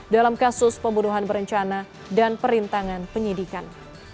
dalam kasus pembunuhan berencana dan perintangan penyidikan